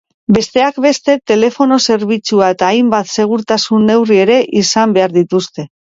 Besteak beste, telefono zerbitzua eta hainbat segurtasun neurri ere izan behar dituzte.